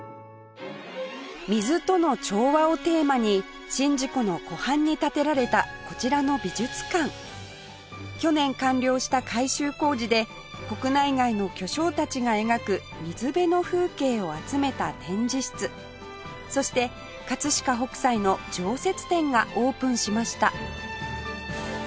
水との調和をテーマに宍道湖の湖畔に建てられたこちらの美術館去年完了した改修工事で国内外の巨匠たちが描く水辺の風景を集めた展示室そして飾北斎の常設展がオープンしました